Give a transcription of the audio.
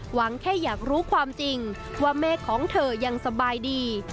แค่อยากรู้ความจริงว่าแม่ของเธอยังสบายดี